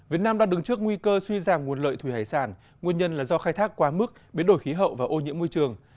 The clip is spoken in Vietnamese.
việt nam đang đứng trước nguy cơ suy giảm nguồn lợi thủy hải sản nguyên nhân là do khai thác quá mức biến đổi khí hậu và ô nhiễm môi trường